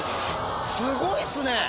すごいっすね！